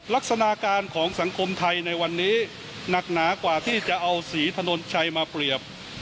ลักษณะการของสังคมไทยในวันนี้หนักหนากว่าที่จะเอาสีถนนชัยมาเปรียบ